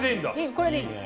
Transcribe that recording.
これでいいんです。